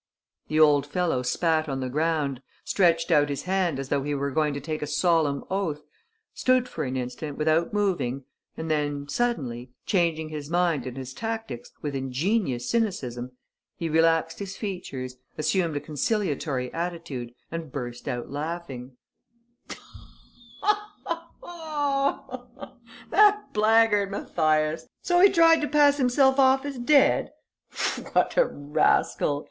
The old fellow spat on the ground, stretched out his hand as though he were going to take a solemn oath, stood for an instant without moving and then, suddenly, changing his mind and his tactics with ingenuous cynicism, he relaxed his features, assumed a conciliatory attitude and burst out laughing: "That blackguard Mathias! So he tried to pass himself off as dead? What a rascal!